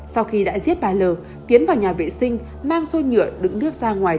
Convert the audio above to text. sau khi đã giết ba l tiến vào nhà vệ sinh mang xôi nhựa đứng nước ra ngoài